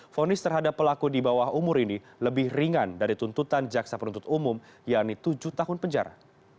fonis terhadap pelaku di bawah umur ini lebih ringan dari tuntutan jaksa penuntut umum yaitu tujuh tahun penjara